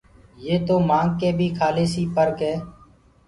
يي تو مآنگ ڪي بيٚ کاليسيٚ پر ڪي